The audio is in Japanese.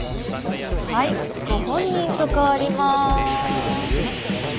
はいご本人と代わります。